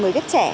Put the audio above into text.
người viết trẻ